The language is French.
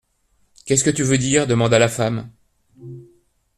Qu'est-ce que tu veux dire ? demanda la femme.